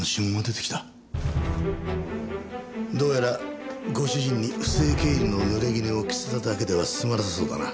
どうやらご主人に不正経理の濡れ衣を着せただけでは済まなさそうだな。